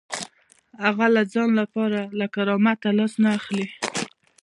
هغه د ځان لپاره له کرامت لاس نه اخلي.